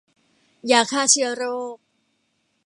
ยาฆ่าเชื้อโรค